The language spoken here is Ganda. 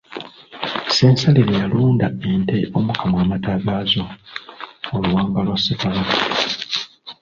Ssensalire y'alunda ente omukamwa amata agooza oluwanga lwa SseKabaka.